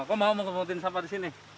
kok mau memungutin sampah di sini